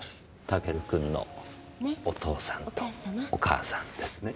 タケル君のお父さんとお母さんですね。